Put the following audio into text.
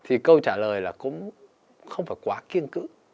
thì câu trả lời là cũng không phải quá kiên cữ